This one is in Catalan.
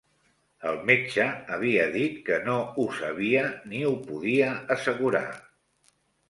El metge havia dit que no ho sabia ni ho podia assegurar